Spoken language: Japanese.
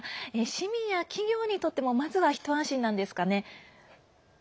市民や企業にとってもまずは一安心なんですかね。